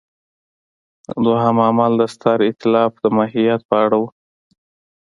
دویم عامل د ستر اېتلاف د ماهیت په اړه و.